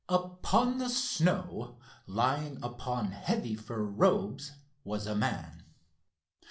Upon the snow, lying upon heavy fur robes, was a man.